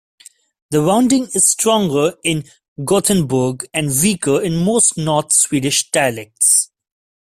The rounding is stronger in Gothenburg and weaker in most North Swedish dialects.